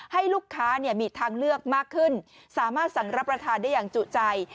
ให้ลูกค้ามีทางเลือกมากขึ้นสามารถสั่งรับประทานได้อย่างจุใจ